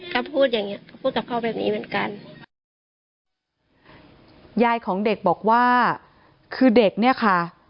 ก็พูดอย่างเงี้ก็พูดกับเขาแบบนี้เหมือนกันยายของเด็กบอกว่าคือเด็กเนี่ยค่ะ